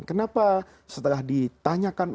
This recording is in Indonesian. kenapa setelah ditanyakan oleh istriku